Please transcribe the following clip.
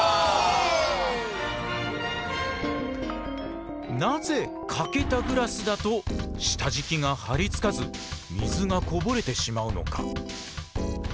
イエイ！なぜ欠けたグラスだと下じきが張りつかず水がこぼれてしまうのか。